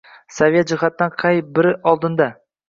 Saviya jihatidan qay biri oldinda?